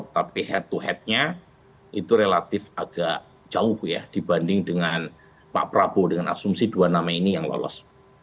tapi head to headnya itu relatif agak jauh ya dibanding dengan pak prabowo dengan asumsi dua nama ini yang lolos